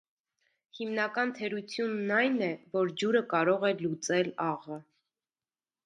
Հիմնական թերությունն այն է, որ ջուրը կարող է լուծել աղը։